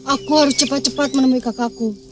aku harus cepat cepat menemui kakakku